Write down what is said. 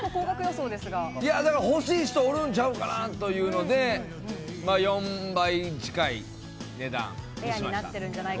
欲しい人おるんちゃうかなっていうので、４倍近い値段にしました。